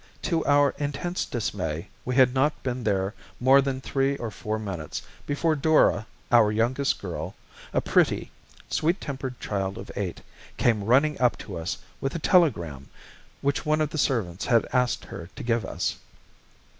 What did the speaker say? To our intense dismay, we had not been there more than three or four minutes, before Dora, our youngest girl, a pretty, sweet tempered child of eight, came running up to us with a telegram, which one of the servants had asked her to give us.